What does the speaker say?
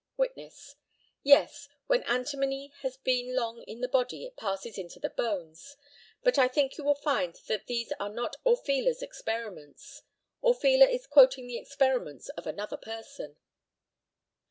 Witness: Yes; when antimony has been long in the body it passes into the bones; but I think you will find that these are not Orfila's experiments. Orfila is quoting the experiments of another person.